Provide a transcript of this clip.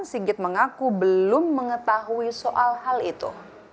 sigit mengaku belum mengetahui soal hal itu